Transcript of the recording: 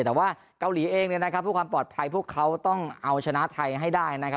แต่ว่าเกาหลีเองเพื่อความปลอดภัยพวกเขาต้องเอาชนะไทยให้ได้นะครับ